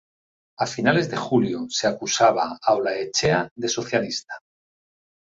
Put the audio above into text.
A finales de julio, se acusaba a Olaechea de socialista.